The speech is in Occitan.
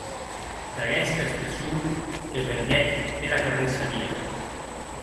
D’aguesta espessor que venguec era carnissaria.